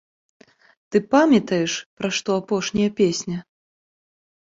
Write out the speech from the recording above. Ты памятаеш, пра што апошняя песня!?